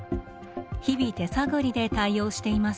日々手探りで対応しています。